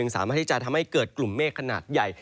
สามารถให้เกิดกลุ่มเมฆขนาดใหญ่